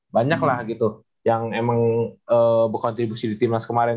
banyak lah gitu yang emang berkontribusi di timnas kemarin